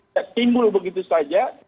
tidak timbul begitu saja